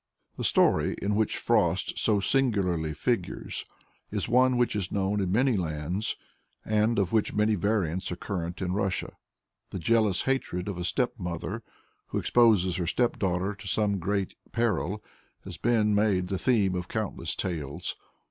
The story in which Frost so singularly figures is one which is known in many lands, and of which many variants are current in Russia. The jealous hatred of a stepmother, who exposes her stepdaughter to some great peril, has been made the theme of countless tales.